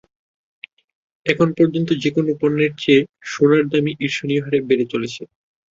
এখন পর্যন্ত অন্য যেকোনো পণ্যের চেয়ে সোনার দামই ঈর্ষণীয় হারে বেড়ে চলেছে।